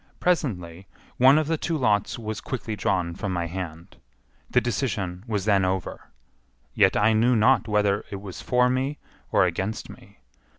Presently one of the two lots was quickly drawn from my hand. The decision was then over, yet I knew not whether it was for me or against me.